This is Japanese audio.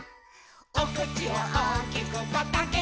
「おくちをおおきくパッとあけて」